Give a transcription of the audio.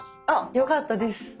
あっよかったです。